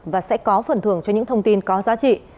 và sẽ có phần thường cho những thông tin có giá trị